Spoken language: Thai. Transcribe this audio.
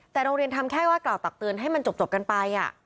แต่โรงเรียนทำแค่ว่ากล่าวตักเตือนให้มันจบกันไป